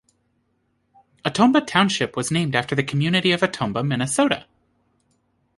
Automba Township was named after the community of Automba, Minnesota.